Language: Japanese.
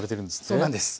そうなんです！